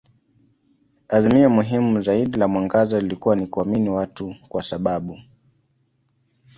Azimio muhimu zaidi la mwangaza lilikuwa ni kuamini watu kwa sababu.